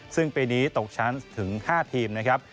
ซึ่งปีนี้ตกชั้นถึง๕ทีมนะครับ